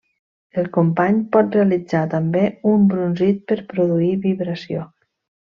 El company pot realitzar també un brunzit per produir vibració.